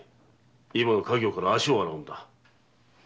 今の稼業から足を洗うんだ。